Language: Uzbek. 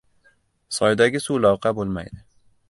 • Soydagi suv loyqa bo‘lmaydi.